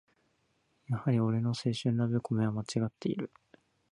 やはり俺の青春ラブコメはまちがっている